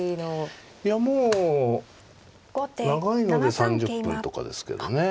いやもう長いので３０分とかですけどね。